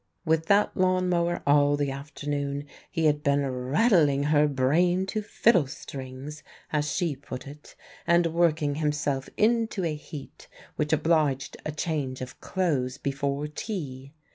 With that lawn mower all the afternoon he had been "rattling her brain to fiddle strings" as she put it and working himself into a heat which obliged a change of clothes before tea.